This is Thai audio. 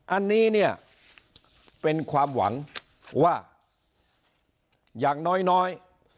อันนี้เนี่ยเป็นความหวังว่าอย่างน้อย